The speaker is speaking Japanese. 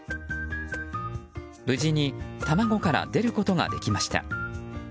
無事に卵から出ることができました。